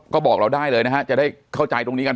ก็บอกเราได้เลยนะฮะจะได้เข้าใจตรงนี้กัน